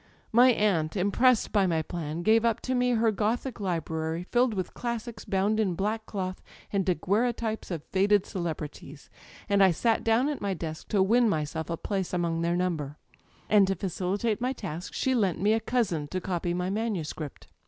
My aunt, impressed by my plan, gave up to me her Gothic library, filled with classics bound in black cloth and daguerreotypes of faded celebrities; and I sat down at my desk to win myself a place among their number. And to facilitate my task she lent me a cousin to copy my manuscript.